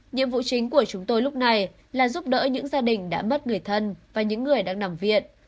nhiệm vụ chính của chúng tôi lúc này là giúp đỡ những gia đình đã mất người thân và những người đang nằm viện